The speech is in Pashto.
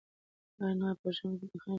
انا په ژمي کې د یخنۍ له امله رېږدېدله.